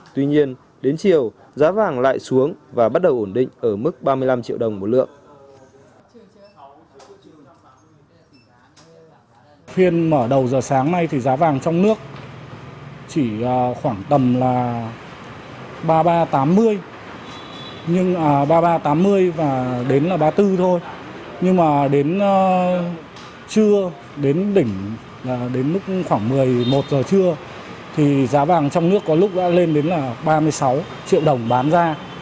tuy nhiên đến chiều giá vàng lại xuống và bắt đầu ổn định ở mức ba mươi năm triệu đồng một lượng